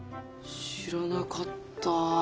知らなかった。